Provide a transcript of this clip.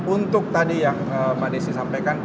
untuk tadi yang mbak desi sampaikan